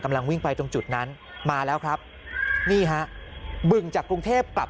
วิ่งไปตรงจุดนั้นมาแล้วครับนี่ฮะบึงจากกรุงเทพกลับ